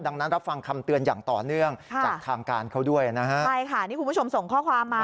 ดังนั้นรับฟังคำเตือนอย่างต่อเนื่องจากทางการเขาด้วยนะครับ